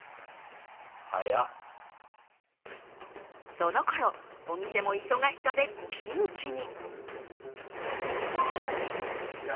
そのころお店も忙しさでピンチに。